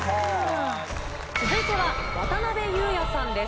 続いては渡辺裕也さんです。